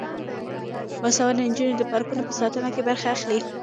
باسواده نجونې د پارکونو په ساتنه کې برخه اخلي.